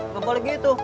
gak boleh gitu